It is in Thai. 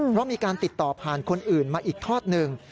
เพราะมีการติดต่อผ่านคนอื่นมาอีกทอดหนึ่ง